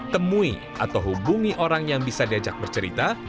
temui atau hubungi orang yang bisa diajak bercerita